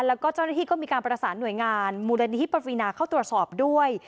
แล้วก็เจ้าหน้าที่ก็มีการประสานหน่วยงานมูลนิธิปวีนาเข้าตรวจสอบด้วย